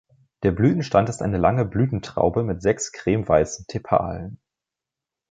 Der Blütenstand ist eine lange Blütentraube mit sechs cremeweißen Tepalen.